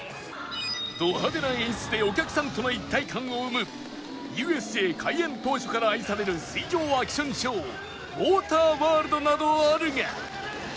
ド派手な演出でお客さんとの一体感を生む ＵＳＪ 開園当初から愛される水上アクションショーウォーターワールドなどあるが